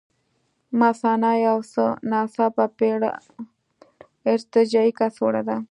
مثانه یو څه ناڅه پېړه ارتجاعي کڅوړه ده.